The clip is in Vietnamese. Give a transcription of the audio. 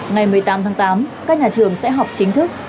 ngày một mươi tám tháng tám các nhà trường sẽ học chính thức